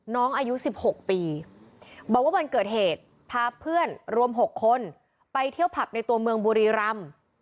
น้องอายุ๑๖ปีบอกว่าวันเกิดเหตุพาเพื่อนรวม๖คนไปเที่ยวผับในตัวเมืองบุรีรำ